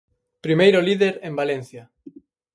Primeiro líder en Valencia.